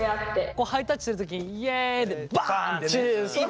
こうハイタッチする時「イエイ」でバンってね。